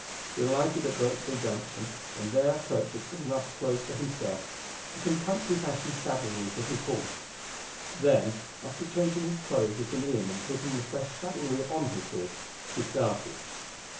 He alighted at Burksville Junction, and there purchased some rough clothes for himself and some country fashioned saddlery for his horse. Then, after changing his clothes at an inn and putting the fresh saddlery on his horse, he started.